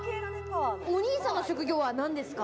お兄さんの職業は何ですか？